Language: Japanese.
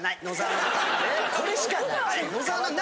これしかない？